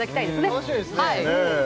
楽しみですね